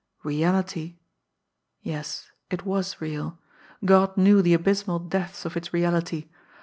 Reality! Yes, it was real! God knew the abysmal depths of its reality.